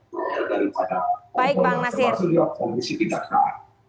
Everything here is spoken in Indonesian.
termasuk juga komisi pindakaan